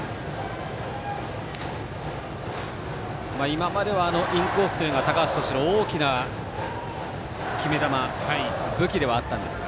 今までは、インコースというのは高橋投手の大きな決め球武器でもあったんですが。